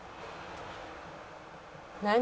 「何？